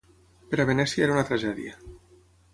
Per a Venècia era una tragèdia.